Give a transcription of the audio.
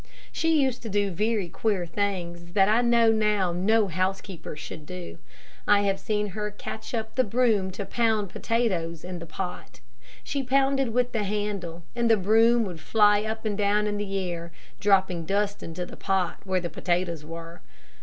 She used to do very queer things, that I know now no housekeeper should do. I have seen her catch up the broom to pound potatoes in the pot. She pounded with the handle, and the broom would fly up and down in the air, dropping dust into the pot where the potatoes were.